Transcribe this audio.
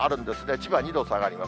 千葉２度下がります。